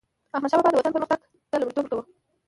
احمدشاه بابا به د وطن پرمختګ ته لومړیتوب ورکاوه.